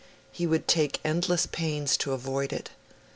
He would take endless pains to avoid it.